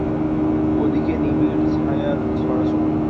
ওদিকে নিবিড় ছায়ার ছড়াছড়ি।